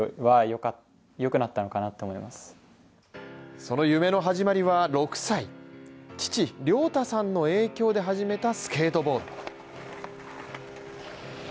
その夢の始まりは６歳、父・亮太さんの影響で始めたスケートボード。